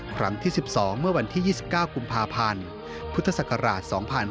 ครั้งที่๑๒เมื่อวันที่๒๙กุมภาพันธ์พุทธศักราช๒๕๕๙